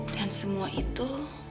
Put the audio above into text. dan semua itu